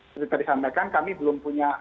seperti tadi sampaikan kami belum punya